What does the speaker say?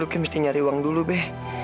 mungkin mesti nyari uang dulu be